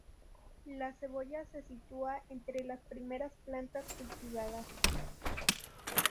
La cebolla se sitúa entre las primeras plantas cultivadas.